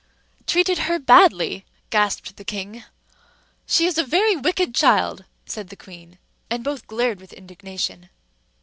"Treated her badly?" gasped the king. "She is a very wicked child," said the queen; and both glared with indignation.